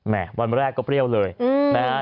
วันแรกก็เปรี้ยวเลยนะฮะ